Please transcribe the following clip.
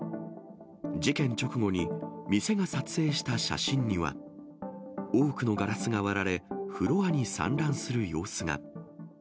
事件直後に店が撮影した写真には、多くのガラスが割られ、フロアに散乱する様子が。